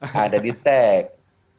tidak ada di tekst